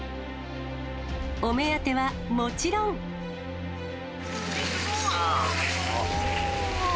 お目当てはもちろん。え、すごい。